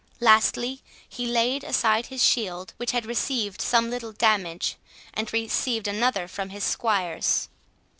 Lastly, he laid aside his shield, which had received some little damage, and received another from his squires.